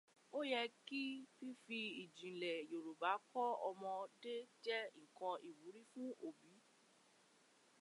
Ó yẹ kí fífi ìjilnlẹ̀ Yorùbá kọ àwọn ọmọdé jẹ́ nǹkan ìwúrí fún òbí.